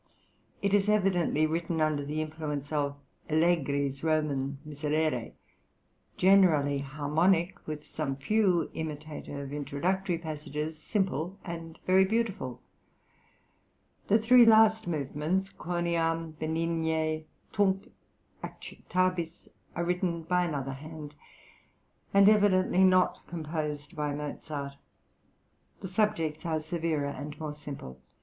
It is evidently written under the influence of Allegri's Roman Miserere, generally harmonic, with some few imitative introductory passages, simple and very beautiful. The three last movements, Quoniam, Benigne, Tunc acceptabis, are written by another hand, and evidently not composed by Mozart; the subjects are severer and more simple.